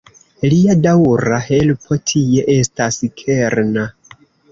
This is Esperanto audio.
Lia daŭra helpo tie estas kerna.